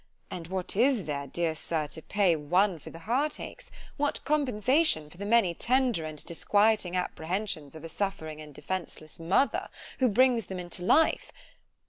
and what is there, dear sir, to pay one for the heart achs—what compensation for the many tender and disquieting apprehensions of a suffering and defenceless mother who brings them into life?